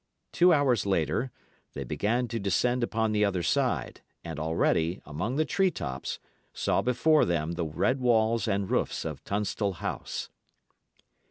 Two hours later, they began to descend upon the other side, and already, among the tree tops, saw before them the red walls and roofs of Tunstall House.